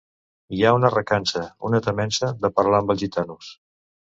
Hi ha una recança, una temença, de parlar amb els gitanos.